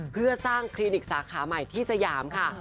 เพื่อสร้างคลินิกสาขาใหม่ที่สยามค่ะ